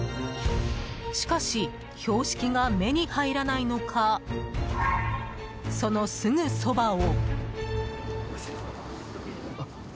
しかし、標識が目に入らないのかそのすぐそばを。